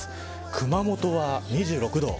熊本は２６度。